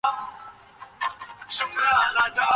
কিন্তু তাহার মধ্যে পার্থক্য আছে।